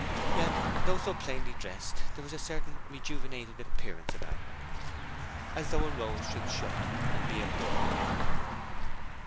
Yet, though so plainly dressed, there was a certain rejuvenated appearance about her:— As though a rose should shut and be a bud again.